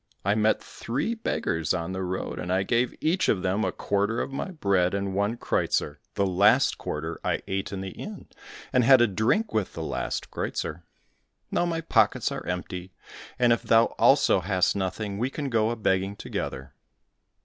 I met three beggars on the road, and I gave each of them a quarter of my bread, and one kreuzer. The last quarter I ate in the inn, and had a drink with the last kreuzer. Now my pockets are empty, and if thou also hast nothing we can go a begging together."